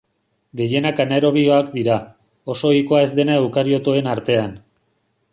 Gehienak anaerobioak dira, oso ohikoa ez dena eukariotoen artean.